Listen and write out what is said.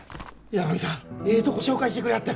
八神さんええとこ紹介してくれはった。